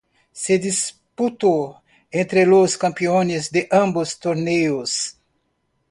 Se disputó entre los campeones de ambos torneos.